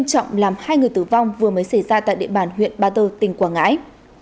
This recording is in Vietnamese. từ tử vong vừa mới xảy ra tại địa bàn huyện ba tơ tỉnh quảng ngãi